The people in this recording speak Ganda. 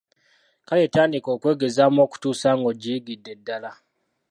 Kale tandika okwegezaamu okutuusa ng'ogiyigidde ddala.